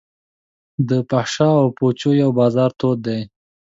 د فحاشا او پوچو یو بازار تود دی.